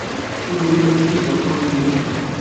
Kenwi mačči d ijapuniyen.